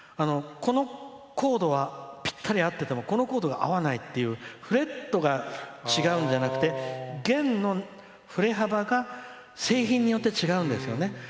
このコードはぴったりあっててもこのコードが合わないっていうフレットが違うんじゃなくて弦の振れ幅が製品によって違うんですよね。